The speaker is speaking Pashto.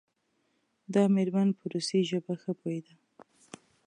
دا میرمن په روسي ژبه ښه پوهیده.